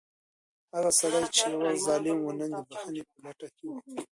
هغه سړی چې یو وخت ظالم و، نن د بښنې په لټه کې و.